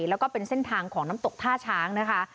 แล้วก็เป็นเส้นทางของน้ำตกท่าช้างนะคะ